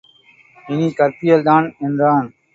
இனிக் கற்பியல்தான் என்றான்.